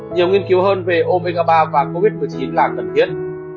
nhiều nghiên cứu hơn về opga ba và covid một mươi chín là cần thiết